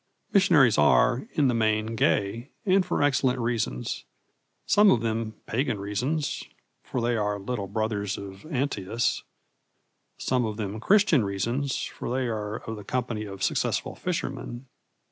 Missionaries are, in the main, gay, and for excellent reasons some of them pagan reasons, for they are little brothers of Antæus; some of them Christian reasons, for they are of the company of successful fishermen.